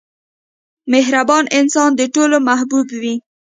• مهربان انسان د ټولو محبوب وي.